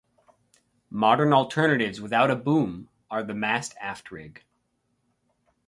Modern alternatives without a boom are the Mast aft rig.